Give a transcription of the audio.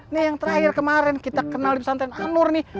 nih yang terakhir kemaren kita kenalin di santanar nih